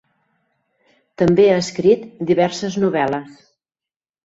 També ha escrit diverses novel·les.